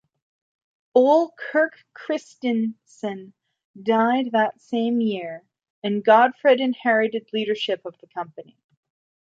Ole Kirk Christiansen died that same year, and Godtfred inherited leadership of the company.